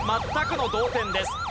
全くの同点です。